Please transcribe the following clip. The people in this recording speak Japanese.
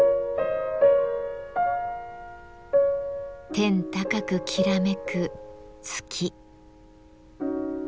天高くきらめく月。